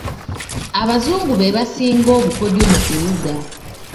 Abazungu be basinga obukodyo mu kuwuga.